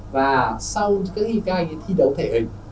và sau khi các anh ấy thi đấu thể hình